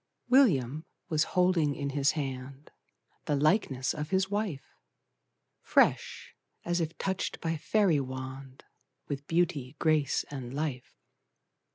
William was holding in his hand The likeness of his wife! Fresh, as if touched by fairy wand, With beauty, grace, and life.